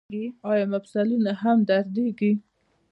ایا مفصلونه مو دردیږي؟